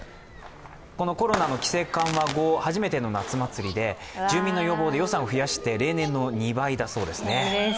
コロナの規制緩和後、初めての夏祭りで住民の要望で予算を増やして例年の２倍だそうですね。